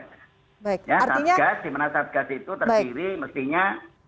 sub gad dimana sub gad itu terdiri mestinya